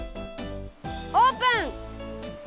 オープン！